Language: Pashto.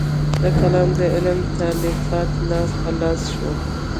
د کلام د علم تالیفات لاس په لاس شول.